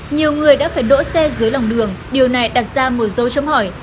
nhiều người đã phải đỗ xe dưới lòng đường điều này đặt ra một dấu chấm hỏi